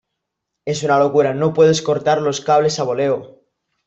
es una locura, no puede cortar los cables a boleo.